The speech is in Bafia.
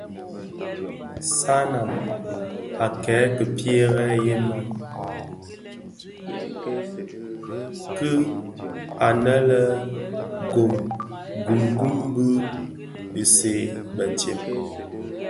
Sanan a kèn ki pierè yè ùman kinin anë le Ngom gum gum bi bësèè bëtsem.